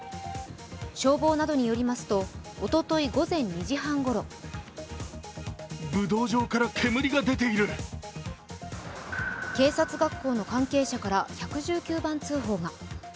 消防などによりますとおととい午前２時半ごろ警察学校の関係者から１１９番通報が。